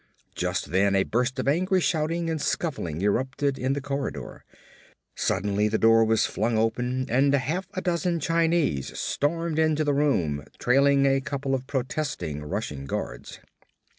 Just then a burst of angry shouting and scuffling erupted in the corridor. Suddenly the door was flung open and half a dozen Chinese stormed into the room trailing a couple of protesting Russian guards.